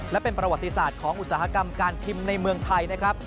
และเป็นประวัติศาสตร์ของอุตสาหกรรมการพิมพ์ในเมืองไทยนะครับ